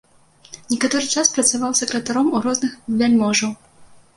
Некаторы час працаваў сакратаром у розных вяльможаў.